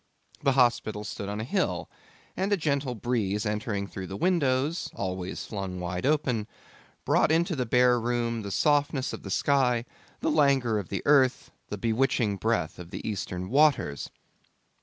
The hospital stood on a hill, and a gentle breeze entering through the windows, always flung wide open, brought into the bare room the softness of the sky, the languor of the earth, the bewitching breath of the Eastern waters.